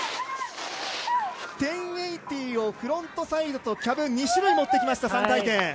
１０８０をフロントサイドとキャブ２種類もってきました、３回転！